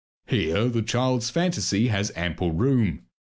Here the child's fantasy has ample room.